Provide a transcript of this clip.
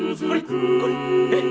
えっ？